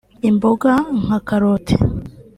imboga nka karoti